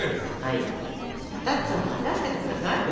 ２つを混ぜ合わせてください。ＯＫ。